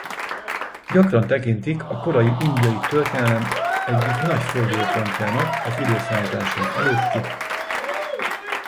Gyakran tekintik a korai indiai történelem egyik nagy fordulópontjának az i.e.